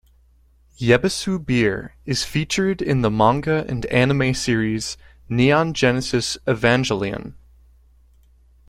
Yebisu Beer is featured in the manga and anime series "Neon Genesis Evangelion".